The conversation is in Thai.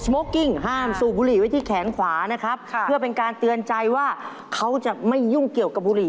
โอเคขอบมือให้สุดจังด้วย